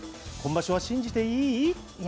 今場所は信じていい？